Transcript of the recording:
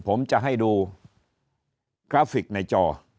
ผมจะให้ดูกราฟิกในจอ